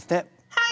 はい。